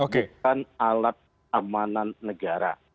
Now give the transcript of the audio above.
bukan alat amanan negara